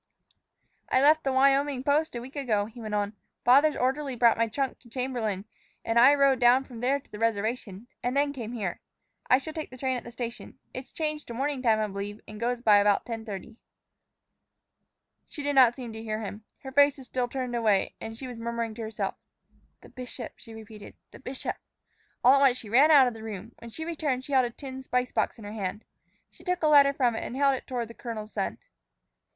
"I left the Wyoming post a week ago," he went on. "Father's orderly brought my trunk to Chamberlain, and I rode down from there to the reservation and then came here. I shall take the train at the station. It's changed to morning time, I believe, and goes by about 10:30." She seemed not to hear him. Her face was still turned away, and she was murmuring to herself. "The bishop!" she repeated; "the bishop!" All at once she ran out of the room. When she returned, she held a tin spice box in her hand. She took a letter from it and held it toward the colonel's son.